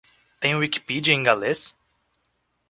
Tem Wikipedia em galês?